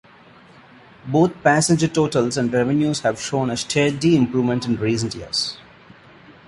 Both passenger totals and revenues have shown a steady improvement in recent years.